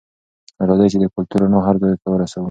راځئ چې د کلتور رڼا هر ځای ته ورسوو.